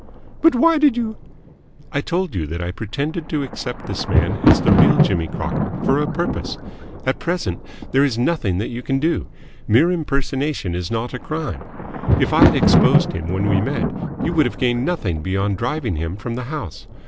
"But why did you ?" "I told you that I pretended to accept this man as the real Jimmy Crocker for a purpose. At present there is nothing that you can do. Mere impersonation is not a crime. If I had exposed him when we met, you would have gained nothing beyond driving him from the house.